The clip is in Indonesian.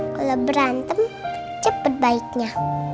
kalo berantem cepet baiknya